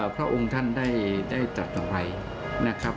พระองค์ท่านได้ตัดสมัยนะครับ